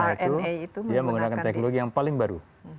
ya pfizer moderna itu dia menggunakan teknologi yang paling baru